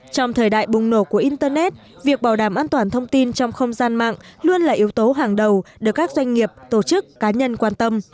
trong thời đại bùng nổ của internet việc bảo đảm an toàn thông tin trong không gian mạng luôn là yếu tố hàng đầu được các doanh nghiệp tổ chức cá nhân quan tâm